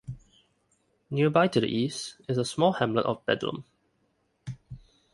Nearby to the east, is the small hamlet of Bedlam.